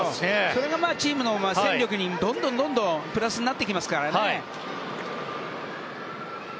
それがチームの戦力にどんどんプラスになりますから。